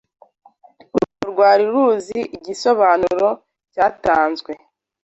Rwo rwari ruzi igisobanuro cyatanzwe.